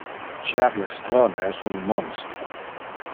Ciarlestrone es un monstro.